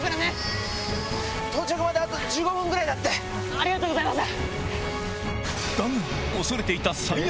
ありがとうございます！